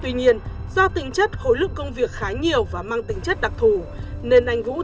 tuy nhiên do tính chất khối lực công việc khá nhiều và mang tính chất đặc thù nên anh vũ thường xuyên vào trực đêm tham gia tuần tra